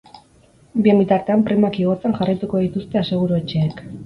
Bien bitartean, primak igotzen jarraituko dituzte aseguru-etxeek.